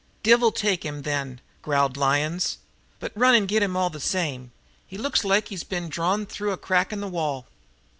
"Divil take him, then," growled Lyons, "but run and get him all the same. He looks loike he'd been drawn through a crack in the wall."